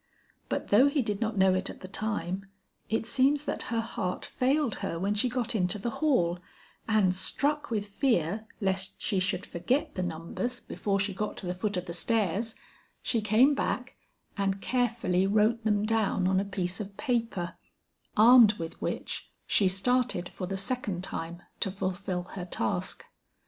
But though he did not know it at the time, it seems that her heart failed her when she got into the hall, and struck with fear lest she should forget the numbers before she got to the foot of the stairs, she came back, and carefully wrote them down on a piece of paper, armed with which she started for the second time to fulfil her task.